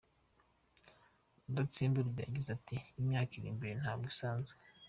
Rudatsimburwa yagize ati “Imyaka iri imbere ntabwo isanzwe.